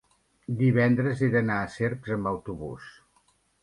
divendres he d'anar a Cercs amb autobús.